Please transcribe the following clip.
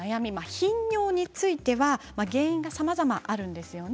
頻尿については原因がさまざまあるんですよね